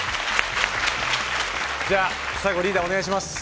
じゃあ、最後、リーダーお願いします。